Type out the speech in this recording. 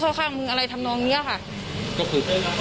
ใช่มันเหาไล่ตั้งแต่หายสวน